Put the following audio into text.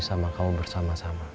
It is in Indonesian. sama kamu bersama sama